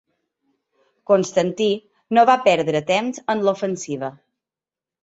Constantí no va perdre temps en l'ofensiva.